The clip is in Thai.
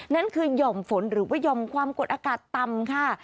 นั่นคือหย่อมฝนหรือว่าห่อมความกดอากาศต่ำค่ะ